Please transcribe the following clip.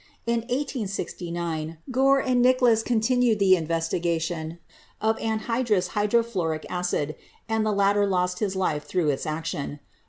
In 1869, Gore and Nickles contin ued the investigation of anhydrous hydrofluoric acid, and the latter lost his life through its action.